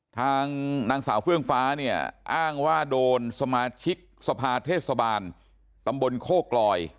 ทางนางสาวเฟื่องฟ้าเนี่ยอ้างว่าโดนสมาชิกสภาเทศบาลตำบลโคกลอย